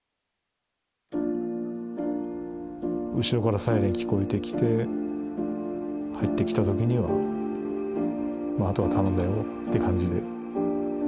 後ろからサイレン聞こえてきて入ってきた時には「あとは頼んだよ」って感じで。